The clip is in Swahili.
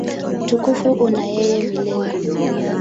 Utukufu una yeye milele.